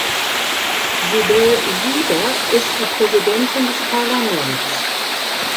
Sibel Siber ist die Präsidentin des Parlaments.